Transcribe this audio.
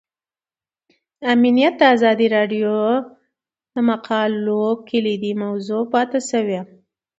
امنیت د ازادي راډیو د مقالو کلیدي موضوع پاتې شوی.